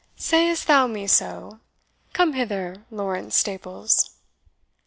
"Sayest thou me so? Come hither, Lawrence Staples."